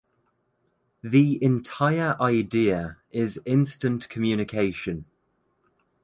The entire idea is instant communication.